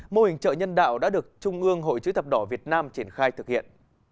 mô hình chợ nhân đạo đã được trung ương hội chữ thập đỏ việt nam triển khai thực hiện